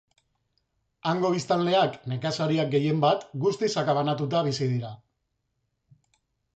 Hango biztanleak, nekazariak gehienbat, guztiz sakabanatuta bizi dira.